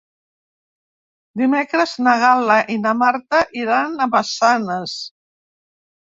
Dimecres na Gal·la i na Marta iran a Massanes.